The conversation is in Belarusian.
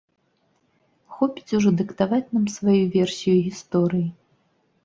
Хопіць ужо дыктаваць нам сваю версію гісторыі?